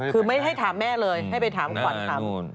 คือไม่ให้ถามแม่เลยให้ไปถามขวัญถาม